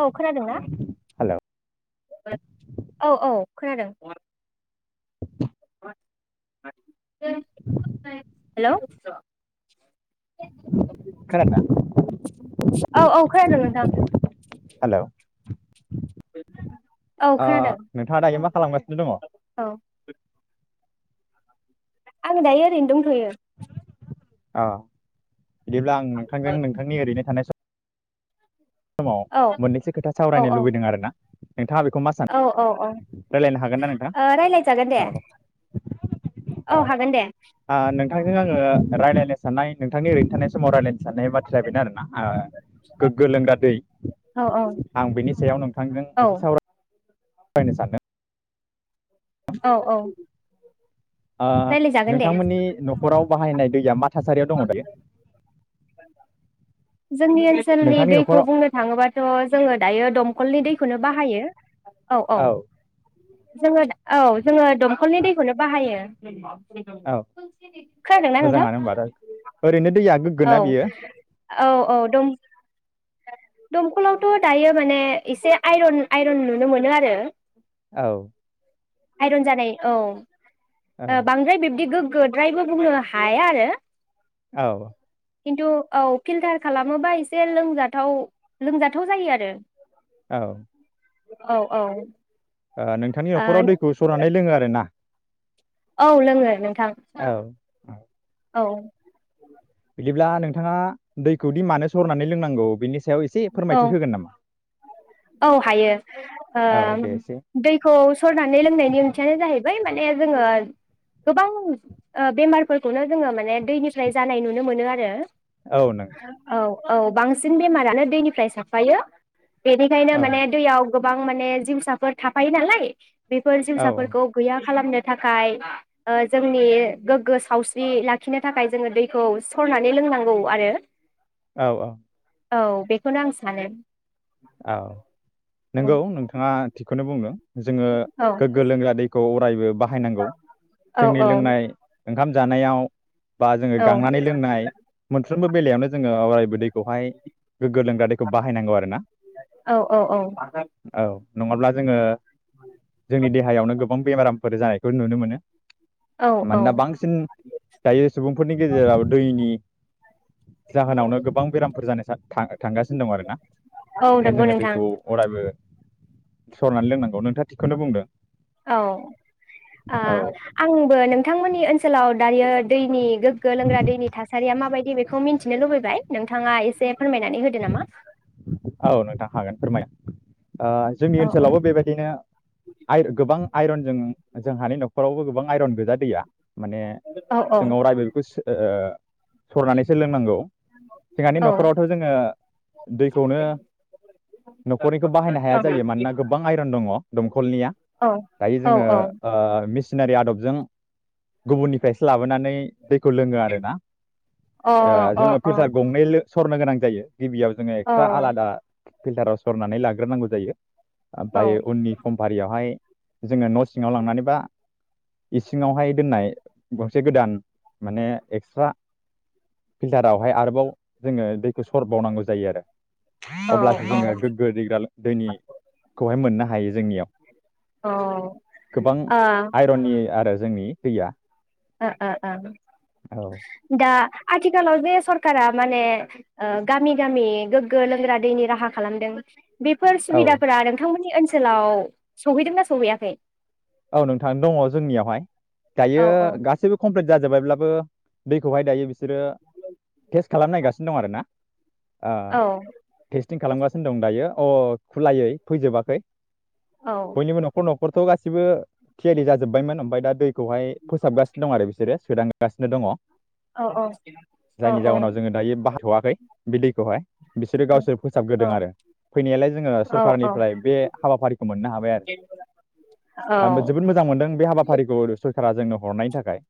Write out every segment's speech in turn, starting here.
औ खोनादोंना हेलौ औ औ खोनादों। हेलौ औ औ खोनादों [unintelligible] नोंथां हेलौ। औ ओ खोनादों नोंथाङा दायो मा खालामगासिनो दङ? औ आं दायो ओरैनो दंथयो। औ बिदिब्ला आं नोंथांजों नोंथांनि ओरैनो थानाय समाव समाव औ मोननैसो खोथा औ सावरायनो लुबैदों आरो ना। नोंथाङा बेखौ मा सानो औ औ औ रायलायनो हागोन ना नोंथां ओ रायलायजागोन दे औ औ हागोन दे। ओ नोंथांजों आङो रायलायनो साननाय नोंथांनि ओरैनो थानाय समाव रायलायनो साननाय बाथ्राया बेनो आरोना गोग्गो लोंग्रा दै दै औ औ आं बेनि सायाव नोंथांजों औ एसे सावराय रायनो सानदों औ औ। आ रायलायजागोन दे नोंथांमोननि न'खराव बाहायनाय दैया मा थासारियाव दङ दायोे जोंनि ओनसोलनि दैखौ बुंनो थाङोबाथ' जोङो दायो दमखलनि दैखौनो बाहायो औ -औ जोङो औ जोङो दंखलनि दैखौनो बाहायो औ खोनादोंना नोंथां मोजाङानो होमबा ओरैनो दैया गोगो ना बियो औ-औ दम दमखलावथ' दायो माने एसे आइरन-आइरन नुनो मोनो आरो औ आइरन जानाय औ औ बांद्राय बिब्दि गोगो गोद्रायबो बुंनो हाया आरो औ खिन्थु औ फिल्टार खालामोबा एसे लोंजाथाव -लोंजाथाव जायो आरो औ औ-औ ओ नोंथांनि न'खराव दैखौ सरनानै लोङो आरोना औ लोंङो नोंथां औ -औ औ बिदिब्ला नोंथाङा दैखौ दि मानो सरनानै लोंनांगौ बेनि सायाव एसे फोरमायथि होगोन नामा? औ-औ हायो आ औ दे एसे दैखौ सरनानै लोंनायनि ओंथियानो जाहैबाय माने जोङो गोबां बेमारफोरखौनो जोङो माने दैनिफ्राय जानाय नुनो मोनो आरो औ नों औ औ बांसिन बेमारानो दैनिफ्राय साबफायो बेनिखायनो औ माने दैयाव गोबां माने जिउसाफोर थाफायो नालाय बेफोर औ जिउसाफोरखौ गैया खालामनो थाखाय ओ जोंनि गोग्गो सावस्रि लाखिनो थाखाय जोङो दैखौ सरनानै लोंनांगौ आरो। औ औ। औ बे। बेखना आं सानो। औ नंगौ नोंथाङा थि। बेखौनो बुंनो। ओ जोङो औ गोग्गो लोंग्रा दैखौ अरायबो। बाहायनांगौ औ जोंनि औ लोंनाय। ओंखाम जानायाव। बा जोङो औ गांनानै लोंनाय मोनफ्रोमबो बेलायावनो जोङो अरायबो दैखौहाय गोग्गो लोंग्रा दैखौ बाहायनांगौ आरोना। औ औ औ [inaudible] औ नङाब्ला जोङो जोंनि देहायावनो गोबां बेमारामफोर जानायखौ नुनो मोनो। औ औ मानोना बांसिन दायो सुबुंफोरनि गेजेराव दैनि जाहोनावनो गोबां बेरामफोर जानाय थांगासिनो दं आरो ना। औ ओंखायनो नंगौ जोङो नोंथां दैखौ अरायबो। [inaudible] सरनानै लोंनांगौनो। [inaudible] औ ओह औ आंबो नोंथांमोननि ओनसोलाव। दायो दैनि गोग्गो लोंग्रा दैनि थासारिया माबायदि। दे बेखौ मिथिनो लुबैबाय नोंथाङा एसे फोरमायनानै होदो नामा। औ नोंथां हागोन फोरमायनो। ओ जोंनि औ औ ओनसोलावबो बेबायदिनो आइर गोबां। आइरनजों जोंहानि नखरावबो गोबां आइरन गोजा दैया। माने औ जोंनाव रायबाय [unintelligible] फोस ओ। सरनानैसो लोंनांगौ। जोंहानि औ औ नखरावथ जोङो दै। ओ औ नखरनिखौ बाहायनो हाया जायो मानोना गोबां आइरन दङ। [inaudible] खलनिया दायो औ जोङो औ ओ मिस। मिसनारि आदबजों गुबुननिफ्रायसो लाबोनानै। दैखौ लोङो आरोना अ ओ अ जोङो अ फिल्टार गंनै लो। सरनो गोनां जायो गिबियाव जों। औ आलादा। फिल्टाराव सरनानै लाग्रोनांगौ जायो। औ ओ ओमफ्राय उननि समफारियावहाय। जोंङो न' सिङाव लांनानैबा इसिङावहाय दोननाय गंसे गोदान माने एक्सट्रा फिल्टारावहाय आरोबाव जोंङो दै सर बावनांगौ जायो आरो ओ अब्लासो जोंङो गोग्गो दैग्रा दैनिखौहाय मोननो हायो जोंनियाव ओ गोबां ओ आइरननि आरो जोंनि दैया ओ ओ ओ औ दा आथिखालाव जे सरखारा माने गामि गामि गोग्गो लोंग्रा दैनि राहा खालामदों । बेफोर औ सुबिदाफोरा नोंथांमोन नि ओनसोलाव सहैदोंना सहैयाखै? औ नोंथां दंङ जोंनियावहाय । दायो औ औ गासैबो कमप्लिट जाजोबबायब्लाबो दैखौहाय दायो बि सोरो टेस्ट खालामनो नायगासिनो दं आरोना ओ औ टेस्टिं खालामगासिनो दं दायो । अ खुलायै फैजोबाखै औ बयनिबो न'खर न'ख हरथ'गास थिबो थियारि जाजोब्बायमोन ओमफाय दा दै खौहाय फोसाबगासिनो दं आरो बिसोरो । सोदांगासिनो दंङ औ औ । औ जायनि औ जाहोनाव जोंङो दायो बाहाथ'आ खै बिदैखौहाय बिसोरो औ गावसोर फोसाबग्रोदों आरो फैनायालाय जोंङो औ सरखारारनिफ्राय बे हाबाफारिखौ मोननो हाबाय आरो । आंबो जोबोद मोजां मोनदों बे हाबाफारिखौ सरखारा जों जोंनो हरनाय थाख गाय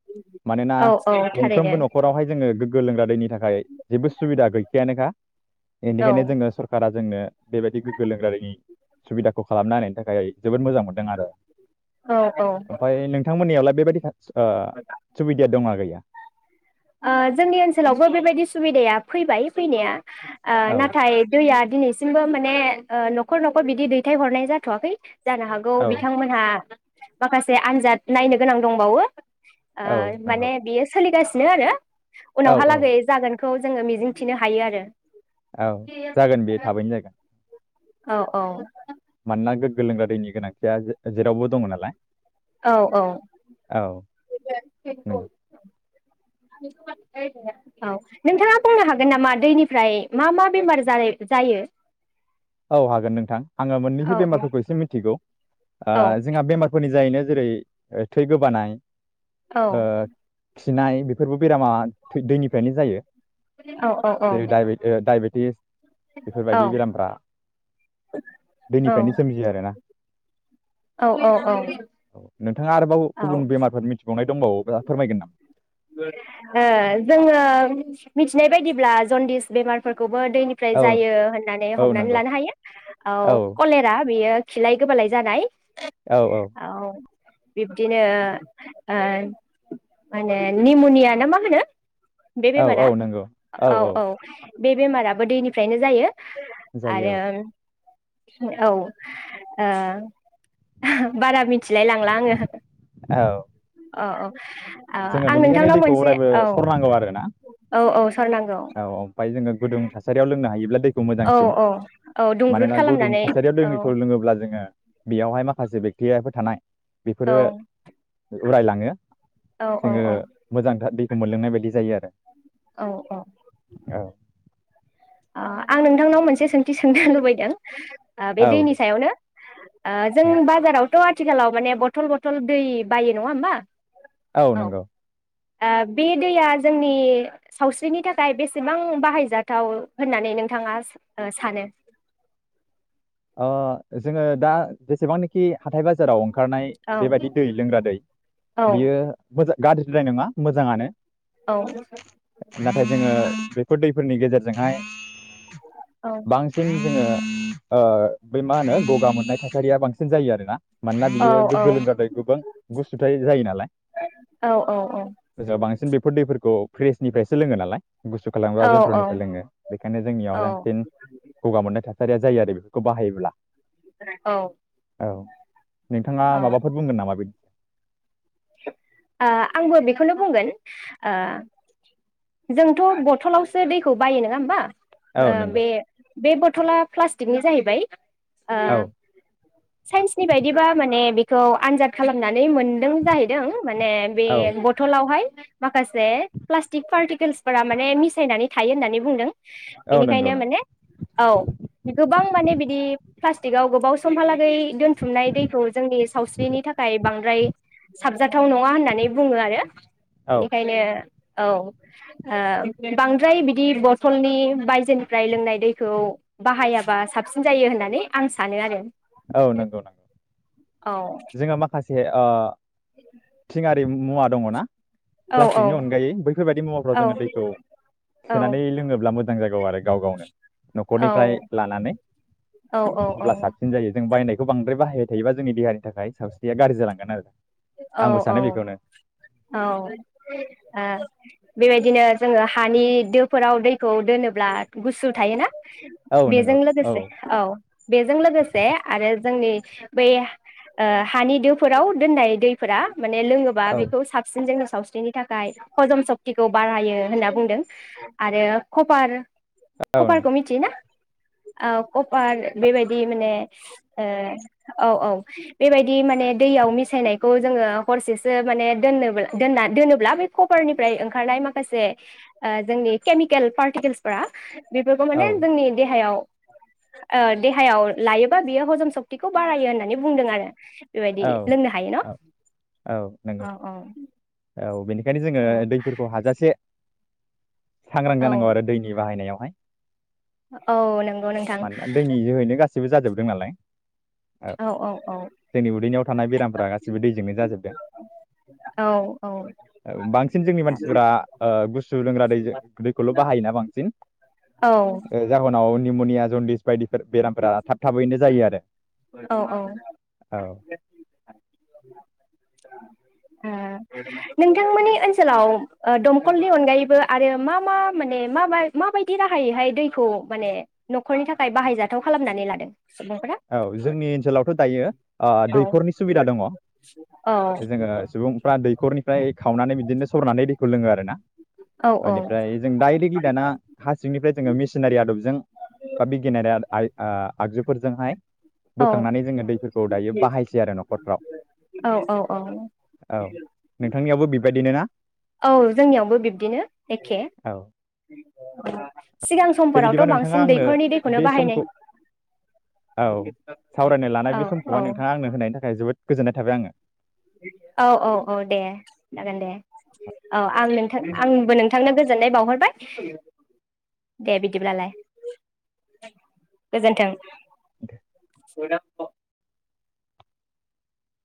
मानोना औ औ थारैनो गंफ्रोमबो न'खरावहाय जोंङो गोग्गो लोंग्रा दैनि थाखाय जेबो सुबिदा गैखायानोखा एनदिखायनो जोंङो सरकारा जोंनो बेबायदि गोग्गो लोंग्रा दैनि सुबिदाखौ खालामना होनायनि थाखाय जोबोद मोजां मोनदों आरो । औ औ औ ओमफाय नोंथांमोननियावलाय बेबायदि थाच ओ सुबिदाया दंङ गैया? आ जोंनि ओनसोलावबो बेबायदि सुबिदाया फैबाय फैनाया आ औ नाथाय दैया दिनैसिमबो माने न'खर न'खर बिदि दैथाय हरनाय जाथ'वाखै जानो हागौ औ बिथांमोनहा माखासे आनजाद नायनो गोनां दंबावो ओ औ नंगौ माने बियो सोलिगासि नो आरो । औ औ उनावहालागै जागोन खौ जोङो मिजिंथिनो हायो आरो । औ जागोन बे थाबैनो जागोन। औ औ। मानोना गोगो लोंग्रा दैनि गोनांथिया जे-जेरावबो दङ नालाय। औ औ। औ औ नंगौ नोंथाङा बुंनो हागोन नामा दैनिफ्राय मा मा बेमार जायो जायो। औ हागोन नोंथां आङो मोननैसो औ औ बेमारफोरखौ एसे मिथिगौ ओ औ जोंहा बेमारफोरनि जायैनो जेरै थै गोबानाय। औ। ओ खिनाय बेफोरबो बेरामा दैनिफ्रायनो जायो। औ औ जेरै डायबिद ओ डायबिद। [unintelligible] औ बेफोरबायदि बेरामफोरा दैनिफ्रायनो सोमजियो आरो ना। [unintelligible] औ औ औ। थाङा आरोबाव गुबुन बेमारफोर मिथिबावनाय। दंबावो फोरमायगोन ओ जोङो मिथिनाय बायदिब्ला जदिस बेमारफोर। खौबो दैनिफ्राय नामा औ जायो होननानै औ हमनानै नंगौ लानो हायो औ कलेरा बेयो। खिलाय गोबालाय जानाय। औ। बिब्दिनो ओय। माने निम'निया ना मा होनो। बे औ बेमारा औ नंगौ औ औ। बे बेमाराबो दैनिफ्रायनो जायो। जायो आरो औ ओ बारा मिथिलाय लांला आङो औ अ औ। जोङो आं बेनिखायनो नोंथांनाव दैखौ मोनसे अरायबो औ सरनांगौ आरो औ औ सरनांगौ। ओमफ्राय जोङो गुदुं थासारियाव लोंनो हायोब्ला दैखौ औ मोजांसिन औ औ दुंब्रुद मानोना गुदुं खालामनानै थासारियाव औ दैखौ लोङोब्ला जोङो बेयावहाय माखासे बेकटेरियाफोर थानाय । बेफोरो औ उरायलाङो। औ औ जोङो औ मोजांथार दैखौ मोनलोंनाय बायदि जायो आरो औ औ । औ अ आं नोंथांनाव मोनसे सोंथि सोंनोसो लुबैदों ओ बे औ दैनि दे सायावनो ओ जों औ बाजाराव थ' आथिखालाव माने बथल बथल दै बायो नङा होमबा? औ नंगौ । ओ बे दैया जोंनि सावस्रिनि थाखाय बेसेबां बाहायजाथाव होननानै नोंथाङा सा सानो? अ जोङो दा जेसेबांनोखि हाथाय बाजाराव ओंखार ओंखारनाय औ बेबायदि दै लोंग्रा दै औ बियो मोजां गाज्रि द्राय नङा मोजाङानो औ । नाथाय जोङो बेफोर दै फोरनि गेजेरजोंहाय औ बांसिन जोङो ओ बै मा होनो गगा मोननाय थासारिया बांसिन जायो आरो ना मानोना औ बियो औ गोलोमज गोबां गुसुथ जायो नालाय औ औ ज बांसिन बेफोर दैफोरखौ फ्रेसनिफ्रायसो लोङो नालाय । गुसु खालामोबा औ जन्थ्रनिफ्राय लोङो बेखायनो जोंनियाव औ बांसिन गगा मोननाय थाखाय सारिया जायो आरो बेखौ बाहायोब्ला ओ औ नोंथाङा माबाफोर बुंगोन नामा बिद ओ आंबो बेखौनो बुंगोन ओ जोंथ' बथलावसो दैखौ बायो नङा होमबा? औ ओ बे नंगौ बे बद बथला प्लास्टिकनि जाहैबाय । ओ औ साइन्सनि बायदिबा माने बे खौ आनजाद खालामनानै मोनदो । माने बे औ बथलावहाय माखासे प्लास्टिक पार्टिकेल्सफोरा माने मिसायनानै थायो होननानै बुंदों। औ नंगौ बेनिखायनो नंगौ माने औ गोबां माने बिदि प्लास्टिकआव गोबाव समहालागै दोनथुमनाय दैखौ जोंनि सावस्रिनि थाखाय बांद्राय साबजाथाव नङा होननानै बुङो आरो औ बेनिखायनो औ ओ बांद्राय बिदि बथलनि बायजोनिफ्राय लोंनाय दैखौ बाहायाबा साबसिन जायो होननानै आं सानो आरो औ नंगौ औ से ओ [unintelligible] हारिम मुवा दङना? औ प्लास्टिकनि अनगायै बैफोरबायदि मुवाफोराव औ जोङो दैखौ औ सोनानै लोङोब्ला मोजां जागौ आरो गाव गावनो न'खरनिफ्राय औ लानानै औ अब्ला साबसिन जायो जों बायनाय बांद्राय बाहायबाय थायोबा जोंनि देहानि थाखाय सावस्रिया गाज्रि जालांगोन आरो । औ औ औ ओ बेबायदिनो जोङो हानि दोफोराव दैखौ दोनोब्ला गुसु थायोना? औ नंगौ बेजों लोगोसे औ बेजों लोगोसे आरो जोंनि बै ओ हानि दोफोराव दोननाय दैफोरा माने लोङोबा औ बेखौ साबसिन [unintelligible] सावस्रिनि थाखाय हजम सक्तिखौ बारायो होनना बुंदों आरो कपार औ खपार खौ मिथियो ना? औ कपार बेबायदि माने ओ औ औ बेबायदि माने दैयाव मिसायनाय खौ जोङो हरसेसो माने दोननोब्ला दोनना दोनोब्ला बे कपारनिफ्राय ओंखारनाय माखासे जोंनि केमिकेल पार्टिकेल्सफोरा बेफोरखौ औ माने जोंनि देहायाव ओ देहायाव लायोबा बियो हजम सक्तिखौ बारायो होननानै बुंदों आरो । बेबायदि औ लोंनो हायो न' । औ नंगौ । औ बेनि खायनो जोङो औ दैफोरखौ हाजासे सांग्रां औ जानांगौ आरो दैनि बाहायनायाव । [unintelligible] औ नों मानोना दैनि जोहैनो गासि बो जाजोबदों नालाय । औ जोंनि उदैनियाव थानाय बेरामफोरा गासिबो दैजोंनो जाजोबदों । औ औ औ बांसिन जोंनि मानसिफोरा ओ गुसु लोंग्रा दैजो दैखौल' बाहायोना बांसिन । जाहोनाव निमनिया जनदिस बायदि बेरामफोरा थाब थाबैनो जायो आरो । औ औ औ ओ नोंथांमोननि ओनसोलाव ओ दमखलनि अनगायैबो आरो मा मा माने मा मा बायदि राहायैहाय दैखौ माने न'खरनि थाखाय बाहायजाथाव खालामनानै लादों? सुबुंफोरा औ जोंनि ओनसोलावथ' दायो आ औ दैखरनि सुबिदा दङ औ । जोङो सुबुंफ्रा दैखरनिफ्राय खावनानै बिदिनो सरनानै दै खुरलोङो आरो ना औ ओनिफ्राय जों डायरेक्टलि दाना हासिंनिफ्राय जोङो मेसिनारि आदबजों बा बिगियानारि [unintelligible] आइ आगजुफोरजोंहाय औ बोखांनानै जोङो दैफोरखौ दायो बाहायसै आरो न'खरफ्राव। औ औ औ औ नोंथांनियावबो बिबाय बिदिनो ना? औ जोंनियावबो बिब्दिनो एखे औ [inaudible] सिगां दे बिदिबा समफोरावथ' नोंथाङा बांसिन आंनो दैखरनि दैखौनो बे समखौ बाहायनाय औ सावरायनो लानाय औ बे समखौहाय औ नोंथाङा आंनो होनायनि थाखाय जोबोद गोजोननाय थाबाय आङो, औ औ औ दे जागोन दे औ आं नोंथां आंबो नोंथांनो गोजोननाय बाउहरबाय दे बिदिब्लालाय गोजोनथों। [unintelligible]